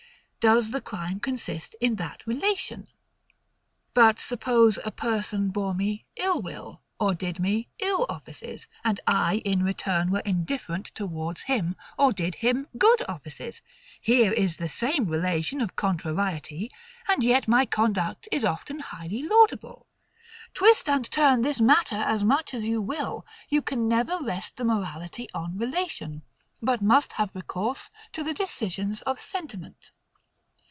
Does the crime consist in that relation? But suppose a person bore me ill will or did me ill offices; and I, in return, were indifferent towards him, or did him good offices. Here is the same relation of CONTRARIETY; and yet my conduct is often highly laudable. Twist and turn this matter as much as you will, you can never rest the morality on relation; but must have recourse to the decisions of sentiment.